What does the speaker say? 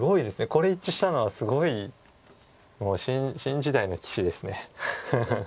これ一致したのはすごいもう新時代の棋士です。